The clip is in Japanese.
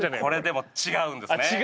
これでも違うんですね